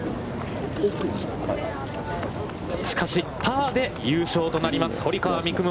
しかしパーで優勝となります、堀川未来